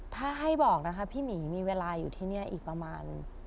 ถ้าให้บอกนะคะพี่หมีมีเวลาอยู่ที่นี่อีกประมาณ